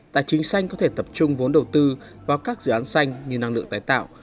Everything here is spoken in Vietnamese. tài chính xanh có thể tập trung vốn đầu tư vào các dự án xanh như năng lượng tái tạo